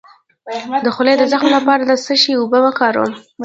د خولې د زخم لپاره د څه شي اوبه وکاروم؟